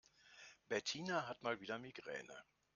Bettina hat mal wieder Migräne.